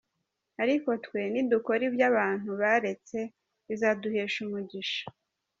Ariko twe ni dukora ibyo abantu baretse, bizaduhesha umugisha.